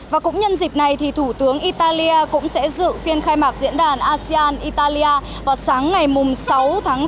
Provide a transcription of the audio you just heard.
và cũng nhân dịp này thủ tướng italia cũng sẽ dự phiên khai mạc diễn đàn asean italia vào sáng ngày sáu tháng bốn